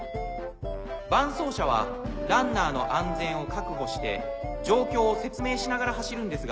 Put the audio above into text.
伴走者はランナーの安全を確保して状況を説明しながら走るんですが。